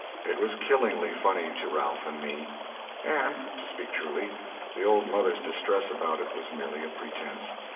It was killingly funny to Ralph and me. And, to speak truly, the old mother's distress about it was merely a pretence.